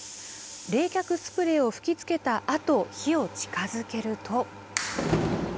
冷却スプレーを噴きつけたあと火を近づけると。